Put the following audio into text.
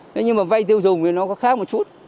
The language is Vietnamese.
thế nhưng mà vay tiêu dùng thì nó có khác một chút